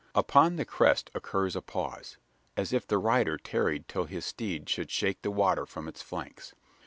Upon the crest occurs a pause: as if the rider tarried till his steed should shake the water from its flanks.